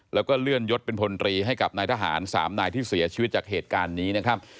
แล้วก็เลื่อนยศเป็นพลตรีให้กับนายทหาร๓นายที่เสียชีวิตจากเหตุการณ์นี้นะครับ